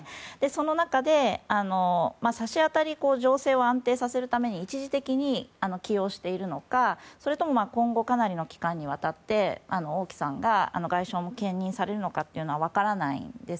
その中で、差し当たり情勢を安定させるために一時的に起用しているのかそれとも今後、かなりの期間にわたって王毅さんが外相も兼任されるのかは分からないんです。